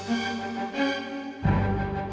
semoga butuh kalian